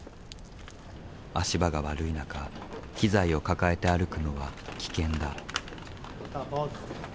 足場が悪い中機材を抱えて歩くのは危険だ。